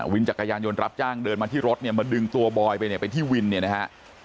จักรยานยนต์รับจ้างเดินมาที่รถเนี่ยมาดึงตัวบอยไปเนี่ยไปที่วินเนี่ยนะฮะ